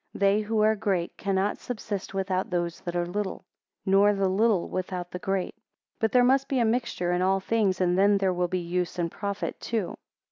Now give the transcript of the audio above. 28 They who are great, cannot subsist without those that are little; nor the little without the great; 29 But there must be a mixture in all things, and then there will be use and profit too.